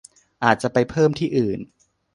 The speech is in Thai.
อาจจะไปเพิ่มที่อื่น